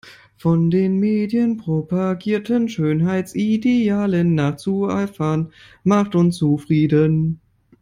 Von den Medien propagierten Schönheitsidealen nachzueifern macht unzufrieden.